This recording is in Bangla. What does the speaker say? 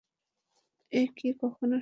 এ কি কখনো সম্ভব?